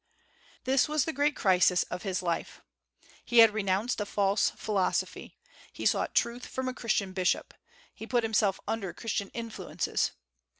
This was the great crisis of his life. He had renounced a false philosophy; he sought truth from a Christian bishop; he put himself under Christian influences.